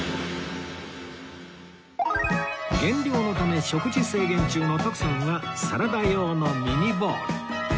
減量のため食事制限中の徳さんはサラダ用のミニボウル